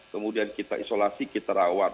kemudian kita isolasi kita rawat